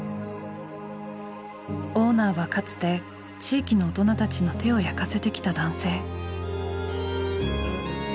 オーナーはかつて地域の大人たちの手を焼かせてきた男性。